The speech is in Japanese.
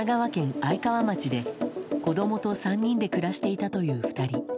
愛川町で、子供と３人で暮らしていたという２人。